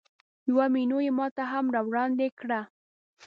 یوه مینو یې ماته هم راوړاندې کړه.